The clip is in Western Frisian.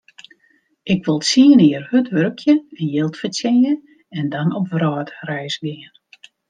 Ik wol tsien jier hurd wurkje en jild fertsjinje en dan op wrâldreis gean.